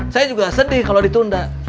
saya juga sedih kalau ditunda